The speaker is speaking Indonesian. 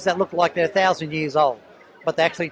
dan telur yang terlihat seperti berusia seribu tahun